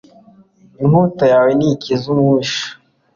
Inkota yawe ninkize umubisha